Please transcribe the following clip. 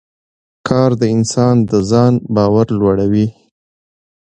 کار د انسان د ځان باور لوړوي